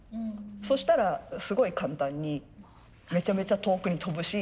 そしたらすごい簡単にめちゃめちゃ遠くに飛ぶし。